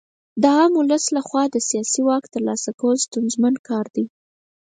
د عام ولس لخوا د سیاسي واک ترلاسه کول ستونزمن کار دی.